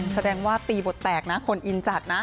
แสดงว่าตีบทแตกนะคนอินจัดนะ